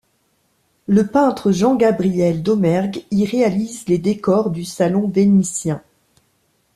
Le peintre Jean-Gabriel Domergue y réalise les décors du salon vénitien.